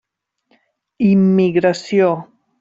Immigració.